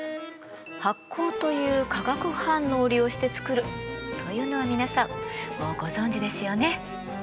発酵という化学反応を利用して作るというのは皆さんもうご存じですよね？